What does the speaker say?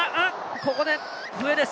ここで笛です。